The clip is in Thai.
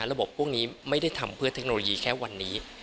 พวกนี้ไม่ได้ทำเพื่อเทคโนโลยีแค่วันนี้